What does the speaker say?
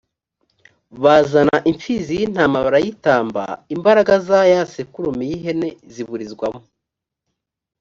bazana impfizi y intama barayitamba.imbaraga za ya sekurume y ihene ziburizwamo